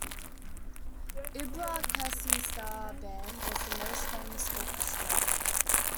Ibra Kasse's Star Band was the most famous orchestre.